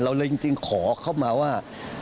เลยจริงขอเข้ามาว่า